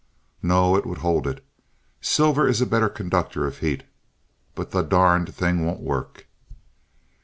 "No, it would hold it. Silver is a better conductor of heat. But the darned thing won't work."